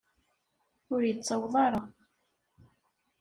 Ur yettaweḍ ara.